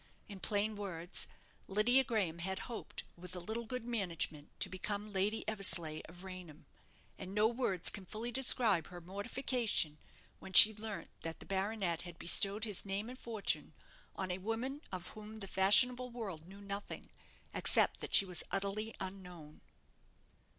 In plain words, Lydia Graham had hoped with a little good management, to become Lady Eversleigh of Raynham; and no words can fully describe her mortification when she learnt that the baronet had bestowed his name and fortune on a woman of whom the fashionable world knew nothing, except that she was utterly unknown.